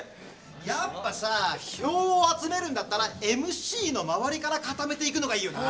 やっぱさ票を集めるんだったらＭＣの周りから固めていくのがいいよな。